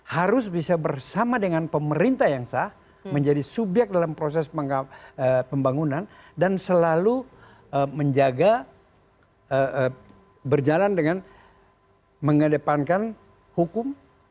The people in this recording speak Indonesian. harus bisa bersama dengan pemerintah yang sah menjadi subyek dalam proses pembangunan dan selalu menjaga berjalan dengan mengedepankan hukum